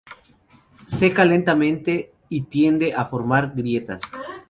Seca lentamente y tiende a formar grietas.